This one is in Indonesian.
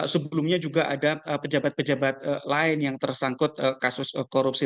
sebelumnya juga ada pejabat pejabat lain yang tersangkut kasus korupsi